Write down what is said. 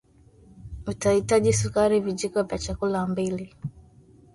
utahitaji sukari vijiko vya chakula mbili